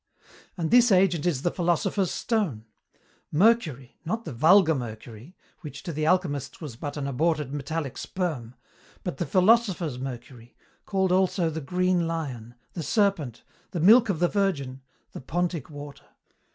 "And this agent is the philosopher's stone: mercury not the vulgar mercury, which to the alchemists was but an aborted metallic sperm but the philosophers' mercury, called also the green lion, the serpent, the milk of the Virgin, the pontic water.